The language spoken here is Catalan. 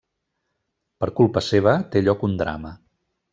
Per culpa seva, té lloc un drama.